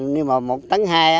nhưng mà một tấn hai